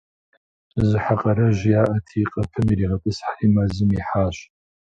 Зы хьэ къарэжь яӏэти, къэпым иригъэтӏысхьэри, мэзым ихьащ.